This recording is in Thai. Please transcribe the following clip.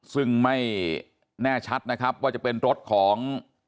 ซึ่งไม่แน่ชัดนะครับว่าจะเป็นรถของ